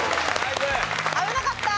危なかった。